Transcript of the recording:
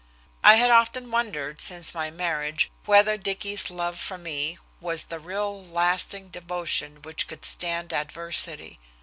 I had often wondered since my marriage whether Dicky's love for me was the real lasting devotion which could stand adversity.